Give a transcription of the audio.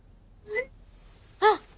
あっ！